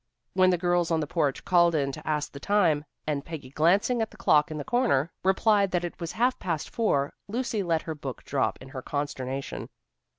When the girls on the porch called in to ask the time, and Peggy glancing at the clock in the corner, replied that it was half past four, Lucy let her book drop in her consternation.